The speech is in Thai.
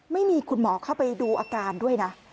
ไม่มีคุณหมอเข้าไปดูอาการด้วยนะ